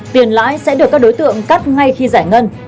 tiền lãi sẽ được các đối tượng cắt ngay khi giải ngân